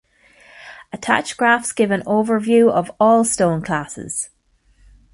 Attached graphs give an overview of all stone classes.